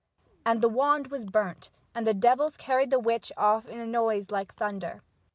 And the wand was burnt, and the devils carried the witch off in a noise like thunder.